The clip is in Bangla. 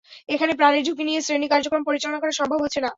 এখানে প্রাণের ঝুঁকি নিয়ে শ্রেণি কার্যক্রম পরিচালনা করা সম্ভব হচ্ছে না।